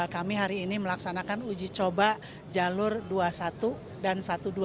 kami hari ini melaksanakan uji coba jalur dua puluh satu dan satu ratus dua belas